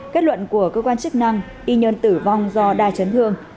kết luận của cơ quan chức năng y nhơn tử vong do đai chấn thương